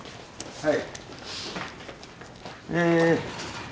はい。